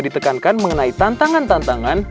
ditekankan mengenai tantangan tantangan